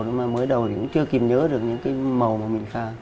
nhưng mà mới đầu thì cũng chưa kìm nhớ được những cái màu mà mình pha